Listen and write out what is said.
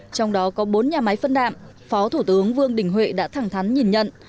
trong đó có bốn nhà máy phân đạm phó thủ tướng vương đình huệ đã thẳng thắn nhìn nhận